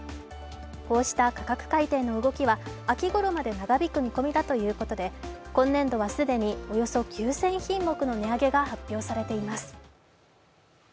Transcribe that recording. こうした価格改定の動きは秋頃まで長引く見込みだということで今年度は既に、およそ９０００品目の値上げが発表されています。